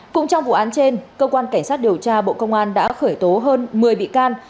cũng trong vụ án trên cơ quan cảnh sát điều tra bộ công an đã khởi tố hơn một mươi bị can